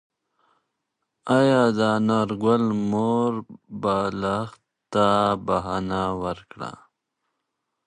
ايا د انارګل مور به لښتې ته بښنه وکړي؟